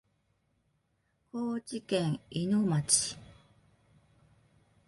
高知県いの町